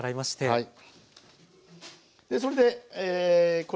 はい。